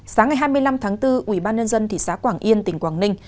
sáng ngày hai mươi năm tháng bốn ubnd thị xã quảng yên tỉnh quảng ninh